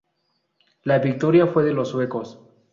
La Victoria fue de los suecos.